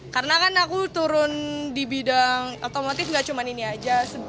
karena kan aku turun di bidang otomotif nggak cuma ini aja